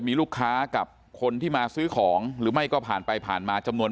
มีลูกค้ากับคนที่มาซื้อของหรือไม่ก็ผ่านไปผ่านมาจำนวน